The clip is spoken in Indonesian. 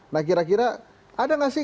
nah kira kira ada nggak sih